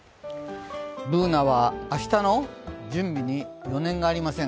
Ｂｏｏｎａは明日の準備に余念がありません。